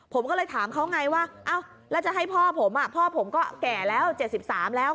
ผมก็เลยถามเขาไงว่าแล้วจะให้พ่อผมพ่อผมก็แก่แล้ว๗๓แล้ว